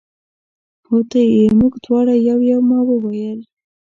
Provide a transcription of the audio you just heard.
هو ته یې، موږ دواړه یو، یو. ما وویل.